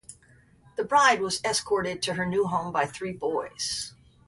The bride was escorted to her new home by three boys.